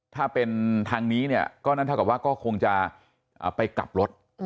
ถ้าเป็นทางนี้เนี่ยก็นั่นเท่ากับว่าก็คงจะไปกลับรถ